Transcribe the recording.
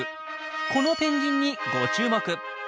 このペンギンにご注目。